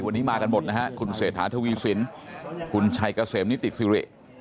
วันนี้มากันหมดนะฮะคุณเสถานะคะวิไซน์คุณชัยกาเสมนิติกซิลจ์